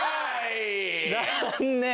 残念！